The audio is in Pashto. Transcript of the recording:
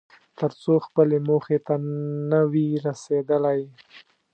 تر څو خپلې موخې ته نه وې رسېدلی.